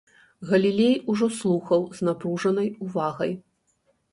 Галілей ужо слухаў з напружанай увагай.